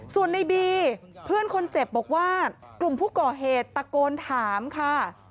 ส่วนในบีเพื่อนคนเจ็บบอกว่ากลุ่มผู้ก่อเหตุตะโกนถามค่ะ